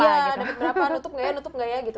iya dapat berapa nutup gak ya nutup nggak ya gitu